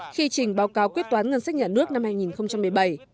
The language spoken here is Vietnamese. khi trình báo cáo quyết toán ngân sách nhà nước năm hai nghìn một mươi bảy